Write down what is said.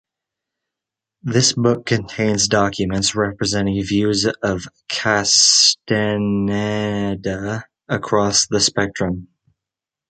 This book contains documents representing views of Castaneda across the spectrum.